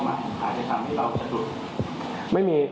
มันอาจจะทำให้เราชะดุ